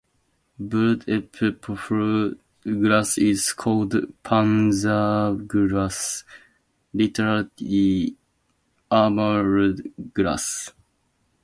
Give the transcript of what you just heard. Bulletproof glass is called "Panzerglas", literally "armoured glass".